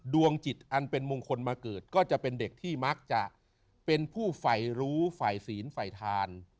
ดวงจิตอันเป็นมงคลมาเกิดก็จะเป็นเด็กที่มักจะเป็นผู้ฝ่ายรู้ฝ่ายศีลฝ่ายทาน